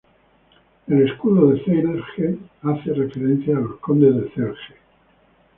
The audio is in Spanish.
El escudo de Celje hace referencia a los Condes de Celje.